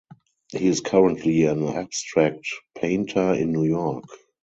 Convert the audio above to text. He is currently an abstract painter in New York.